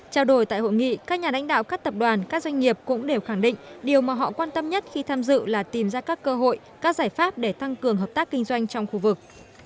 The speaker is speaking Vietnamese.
trao đổi tại hội nghị các nhà đánh đạo các tập đoàn các doanh nghiệp cũng đều khẳng định điều mà họ quan tâm nhất khi tham dự là tìm ra các cơ hội các giải pháp để tăng cường hợp tác kinh doanh trong khu vực